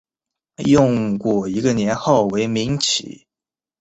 用过一个年号为明启。